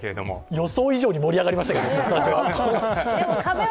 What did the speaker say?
予想以上に盛り上がりましたけどスタジオは。